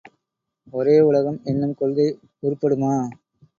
ஒரே உலகம் என்னும் கொள்கை உருப்படுமா?